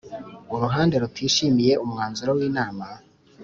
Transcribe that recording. Uruhande rutishimiye umwanzuro w Inama